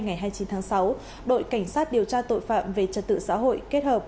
ngày hai mươi chín tháng sáu đội cảnh sát điều tra tội phạm về trật tự xã hội kết hợp